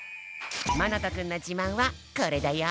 まなとくんのじまんはこれだよ。